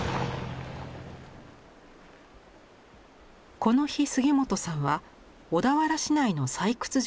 この日杉本さんは小田原市内の採掘場にいました。